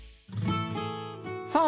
さあ